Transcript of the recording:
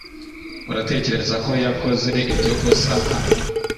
Uratekereza ko yakoze iryo kosa nkana?